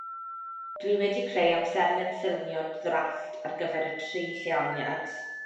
Dwi wedi creu amserlen ffilmio ddrafft ar gyfer y tri lleoliad